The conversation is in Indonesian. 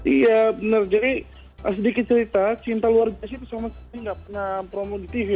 iya benar jadi sedikit cerita cinta luar biasa itu selama ini nggak pernah promo di tv waktu itu